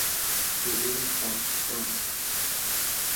درون خاستگاه